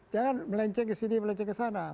jangan melenceng kesini melenceng kesana